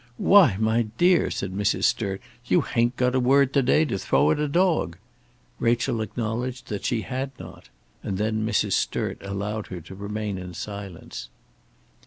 "Why, my dear," said Mrs. Sturt, "you hain't got a word to day to throw at a dog." Rachel acknowledged that she had not; and then Mrs. Sturt allowed her to remain in her silence.